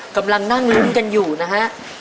กำลังนั่งลุ้นกันอยู่นะฮะ